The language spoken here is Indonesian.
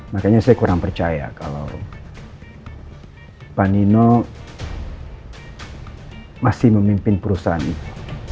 makanya saya kurang percaya kalau pak nino masih memimpin perusahaan itu